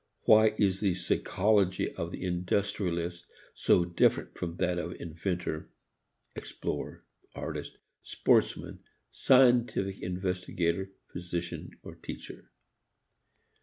Why is the psychology of the industrialist so different from that of inventor, explorer, artist, sportsman, scientific investigator, physician, teacher?